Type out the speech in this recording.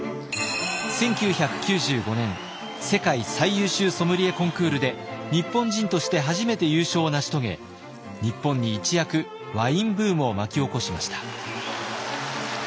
１９９５年世界最優秀ソムリエコンクールで日本人として初めて優勝を成し遂げ日本に一躍ワインブームを巻き起こしました。